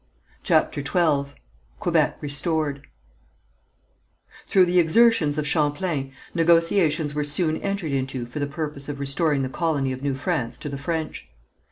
CHAPTER XII QUEBEC RESTORED Through the exertions of Champlain negotiations were soon entered into for the purpose of restoring the colony of New France to the French.